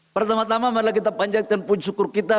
pertama tama marilah kita panjangkan puji syukur kita